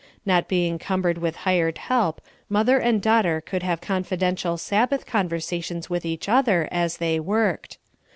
Not being cumbered with hired help, mother and daughter could have confidential Sabbath conversations with each other as they worked.